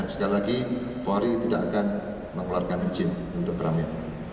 sekali lagi polri tidak akan mengeluarkan izin untuk kami